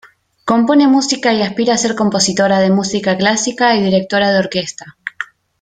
Compone música y aspira a ser compositora de música clásica y directora de orquesta.